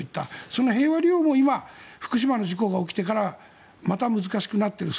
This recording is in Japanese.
その平和利用も今、福島の事故が起きてからまた難しくなっている。